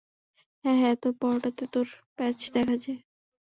হ্যাঁঁ, তোর পরোটাতে তোর প্যাচ দেখা যায়।